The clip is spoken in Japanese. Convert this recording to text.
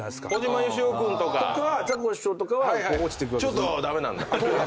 ちょっと駄目なんだ。